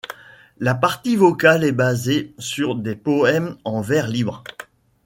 La partie vocale est basée sur des poèmes en vers libres.